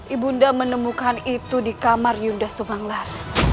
ibu anda menemukan itu di kamar yunda subanglar